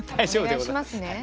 お願いしますね。